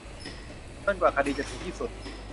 จนกว่าคดีจะถึงที่สุด